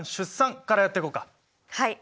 はい。